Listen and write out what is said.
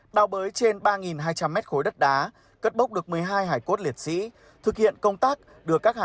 đào bới trên ba hai trăm linh m khối đất đá cất bốc được một mươi hai hải cốt liệt sĩ thực hiện công tác